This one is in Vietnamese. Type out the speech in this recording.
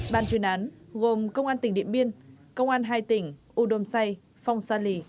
ban chuyên án gồm công an tỉnh điện biên công an hai tỉnh u đôm xay phong sa lì